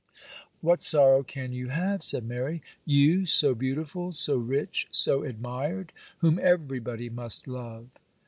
'What sorrow can you have?' said Mary; 'you, so beautiful, so rich, so admired; whom everybody must love.